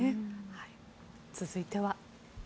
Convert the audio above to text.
続いては。